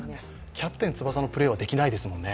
「キャプテン翼」のプレーはできないですもんね。